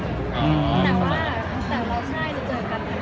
แต่ว่าแต่ว่าใช่จะเจอกัน